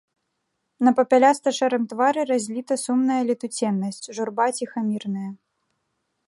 На папяляста-шэрым твары разліта сумная летуценнасць, журба ціхамірная.